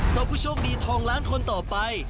เพราะผู้โชคดีทองล้านคนต่อไป